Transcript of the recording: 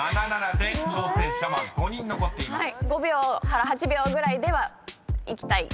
５秒から８秒ぐらいではいきたいです。